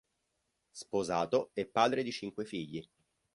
Sposato e padre di cinque figli.